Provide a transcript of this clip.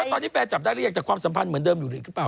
ตอนที่แฟนจับได้เรียกความสัมพันธ์เหมือนเดิมอยู่หรือเปล่า